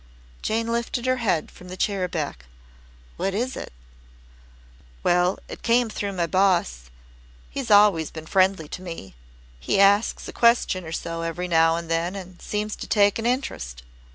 Jane lifted her head from the chair back. "What is it?" "Well, it came through my boss. He's always been friendly to me. He asks a question or so every now and then and seems to take an interest.